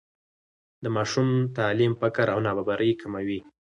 د ماشوم تعلیم فقر او نابرابري کموي.